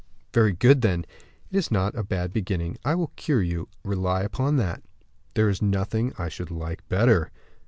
"Very good, then; that is not a bad beginning. I will cure you, rely upon that." "There is nothing I should like better."